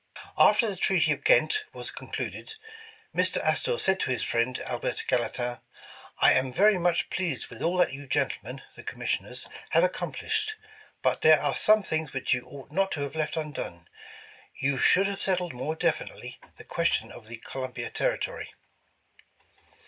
''After the Treaty of Ghent was concluded, Mr. Astor said to his friend, Albert Gallatin, *I am very much pleased with all that you gentlemen (the Commissioners) have accomplished, but there are some things which you ought not to have left undone. You should have settled more definitely the question of the Columbia territory.'